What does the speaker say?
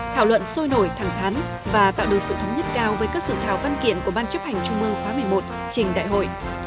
thảo luận sôi nổi thẳng thắn và tạo được sự thống nhất cao với các sự thảo văn kiện của ban chấp hành trung mương khóa một mươi một trình đại hội